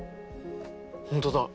ホントだ。